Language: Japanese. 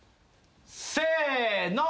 せの！